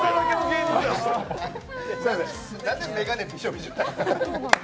なんで眼鏡びしょびしょなん。